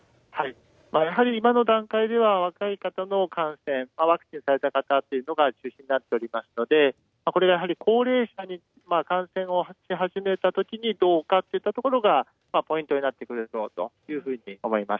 やはり今の段階では若い方の感染、ワクチンされた方というのが中心になっておりますので、これがやはり高齢者に感染をし始めたときに、どうかっていったところがポイントになってくるだろうというふうに思います。